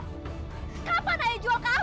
kapan ayah jual ke abang